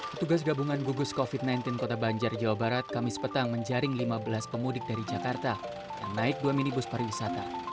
petugas gabungan gugus covid sembilan belas kota banjar jawa barat kamis petang menjaring lima belas pemudik dari jakarta yang naik dua minibus pariwisata